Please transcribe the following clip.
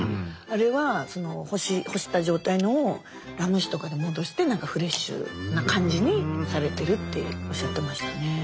あれは干した状態のをラム酒とかで戻して何かフレッシュな感じにされてるっておっしゃってましたね。